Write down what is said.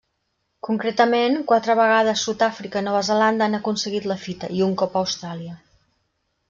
Concretament, quatre vegades Sud-àfrica i Nova Zelanda han aconseguit la fita, i un cop Austràlia.